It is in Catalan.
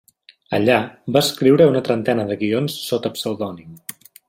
Allà, va escriure una trentena de guions sota pseudònim.